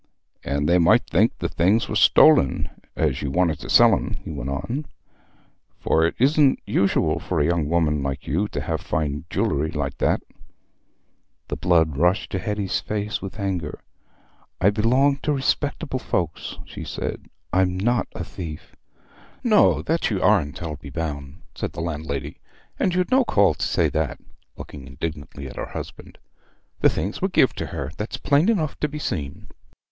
"And they might think the things were stolen, as you wanted to sell 'em," he went on, "for it isn't usual for a young woman like you to have fine jew'llery like that." The blood rushed to Hetty's face with anger. "I belong to respectable folks," she said; "I'm not a thief." "No, that you aren't, I'll be bound," said the landlady; "and you'd no call to say that," looking indignantly at her husband. "The things were gev to her: that's plain enough to be seen."